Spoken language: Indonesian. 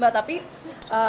mbak tapi pada saat